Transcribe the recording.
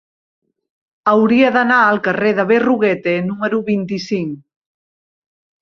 Hauria d'anar al carrer de Berruguete número vint-i-cinc.